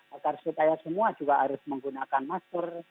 agar supaya semua juga harus menggunakan masker